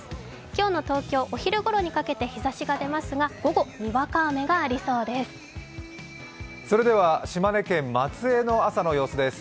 今日の東京、お昼ごろにかけて日ざしが出ますが午後、にわか雨がありそうです。